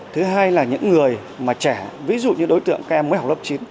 thứ hai là những người mà trẻ ví dụ như đối tượng các em mới học lớp chín